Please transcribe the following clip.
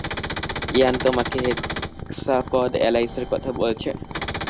ইয়ান তোমাকে হেক্সাপড এলাইসের কথা বলেছে?